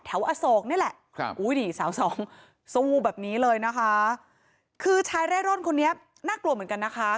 อโศกนี่แหละครับอุ้ยนี่สาวสองสู้แบบนี้เลยนะคะคือชายเร่ร่อนคนนี้น่ากลัวเหมือนกันนะคะ